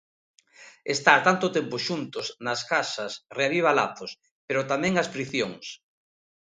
Estar tanto tempo xuntos nas casas reaviva lazos, pero tamén as friccións.